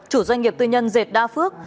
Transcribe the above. chủ doanh nghiệp tư nhân dệt đa phước